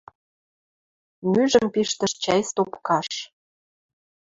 Мӱжӹм пиштӹш чӓй стопкаш.